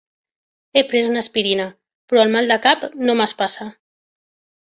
He pres una aspirina, però el mal de cap no m'espassa.